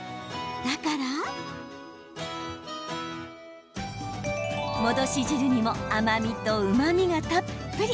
だから戻し汁にも甘みとうまみがたっぷり。